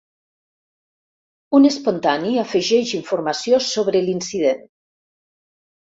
Un espontani afegeix informació sobre l'incident.